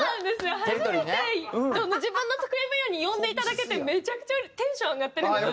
初めて自分の得意分野に呼んでいただけてめちゃくちゃテンション上がってるんですよ